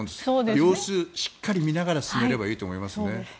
様子、しっかり見ながら進めればいいと思います。